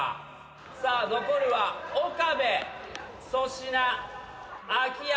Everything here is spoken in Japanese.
さあ残るは岡部粗品秋山。